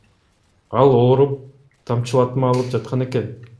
Ал ооруп, тамчылатма алып жаткан экен.